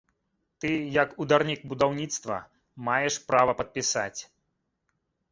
Ты, як ударнік будаўніцтва, маеш права падпісаць.